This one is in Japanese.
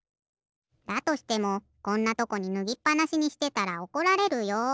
だとしてもこんなとこにぬぎっぱなしにしてたらおこられるよ。